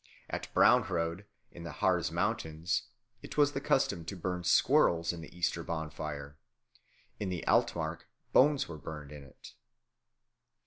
At Braunröde, in the Harz Mountains, it was the custom to burn squirrels in the Easter bonfire. In the Altmark, bones were burned in it.